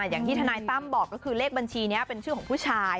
อย่างที่ทนายตั้มบอกก็คือเลขบัญชีนี้เป็นชื่อของผู้ชาย